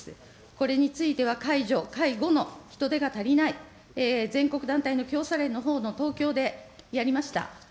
これについては、介助、介護の人手が足りない、全国団体のきょうされんのほうの東京でやりました。